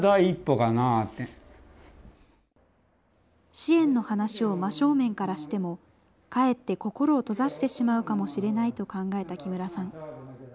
支援の話を真正面からしても、かえって心を閉ざしてしまうかもしれないと考えた木村さん。